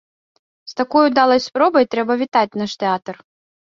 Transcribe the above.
З такой удалай спробай трэба вітаць наш тэатр!